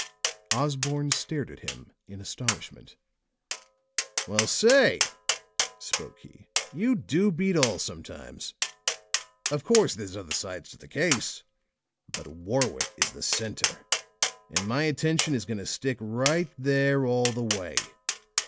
Osborne stared at him in astonishment. "Well, say," spoke he, "you do beat all, sometimes! Of course, there's other sides to the case; but Warwick is the center, and my attention is going to stick right there all the way.